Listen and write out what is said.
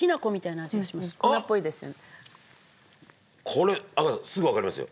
これ阿川さんすぐわかりますよ。